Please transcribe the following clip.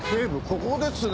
ここですね。